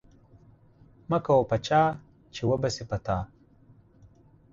مه کوه په چا، چي و به سي په تا.